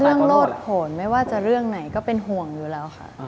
โลดผลไม่ว่าจะเรื่องไหนก็เป็นห่วงอยู่แล้วค่ะ